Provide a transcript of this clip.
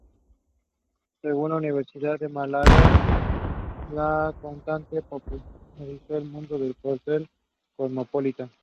Según la Universidad de Málaga, la cantante popularizó en el mundo el cóctel Cosmopolitan.